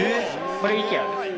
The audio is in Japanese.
これイケアですね。